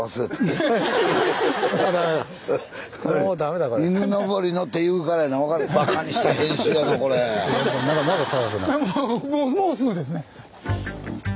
もうすぐですね。